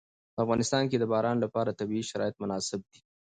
په افغانستان کې د باران لپاره طبیعي شرایط مناسب دي.